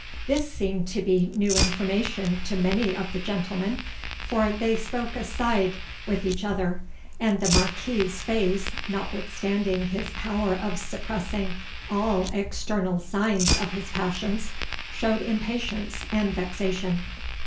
This seemed to be new information to many of the gentlemen, for they spoke aside with each other, and the Marquis's face, notwithstanding his power of suppressing all external signs of his passions, showed impatience and vexation.